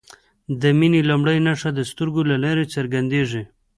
د مینې لومړۍ نښه د سترګو له لارې څرګندیږي.